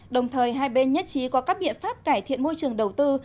đồng thời hai bên nhất trí có các biện pháp cải thiện môi trường đầu tư